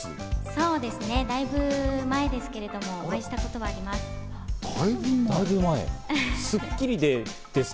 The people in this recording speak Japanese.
そうですね、だいぶ前ですけど、お会いしたことあります。